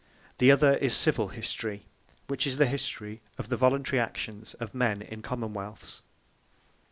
The other, is Civill History; which is the History of the Voluntary Actions of men in Common wealths.